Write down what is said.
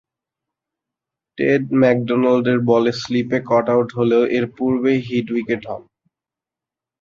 Ted ম্যাকডোনাল্ডের বলে স্লিপে কট আউট হলেও এর পূর্বেই হিট উইকেট হন।